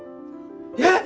えっ！？